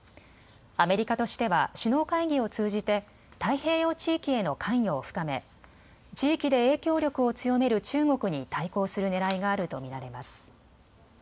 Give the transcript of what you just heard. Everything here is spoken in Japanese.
アメリカとしては首脳会議を通じて太平洋地域への関与を深め地域で影響力を強める中国に対抗するねらいがあると見られます。